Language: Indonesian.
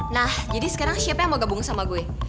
nah jadi sekarang siapa yang mau gabung sama gue